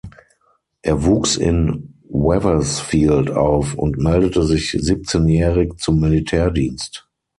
Er wuchs in Wethersfield auf und meldete sich siebzehnjährig zum Militärdienst.